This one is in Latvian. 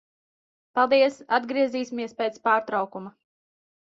Paldies. Atgriezīsimies pēc pārtraukuma.